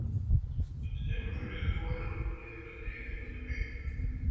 Éste es el primero de cuatro volúmenes en la serie "The Gonzo Papers".